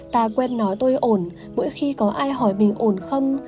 ta quen nói tôi ổn mỗi khi có ai hỏi mình ổn không